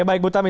baik bu tami